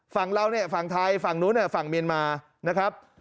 ฝั่งเราเนี่ยฝั่งไทยฝั่งนู้นเนี่ยฝั่งเมียนมานะครับ